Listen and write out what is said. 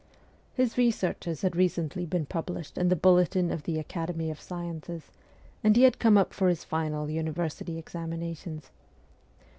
His researches had recently been published in the Bulletin of the Academy of Sciences, and he had come up for his final university examinations.